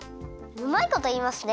うまいこといいますね！